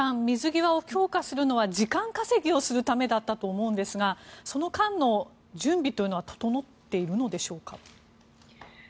水際を強化するのは時間稼ぎをするためだったと思うんですがその間の準備というのは整っているんでしょうか？